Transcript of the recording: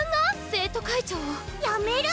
生徒会長をやめる⁉